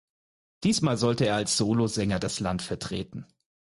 Diesmal sollte er als Solosänger das Land vertreten.